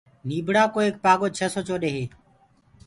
نيٚڀڙآ ڪو ايڪ پآڳو ڇي سو چوڏي هي